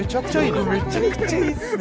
めちゃくちゃいいね。